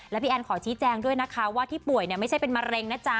แล้วพี่แอนขอชี้แจงด้วยนะคะว่าที่ป่วยไม่ใช่เป็นมะเร็งนะจ๊ะ